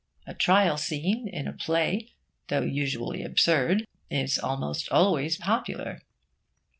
A trial scene in a play, though usually absurd, is almost always popular.